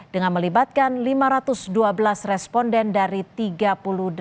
dengan melibatkan lima ratus dua belas responden ditunjuk presiden